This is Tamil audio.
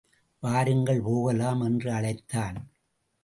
வாருங்கள் போகலாம் என்று அழைத்தான்.